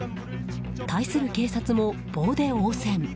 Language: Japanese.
対する警察も棒で応戦。